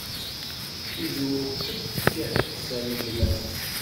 Izewweq-ik, s rregmat.